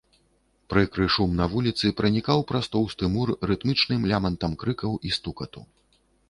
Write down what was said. Прыкры шум на вуліцы пранікаў праз тоўсты мур рытмічным лямантам крыкаў і стукату.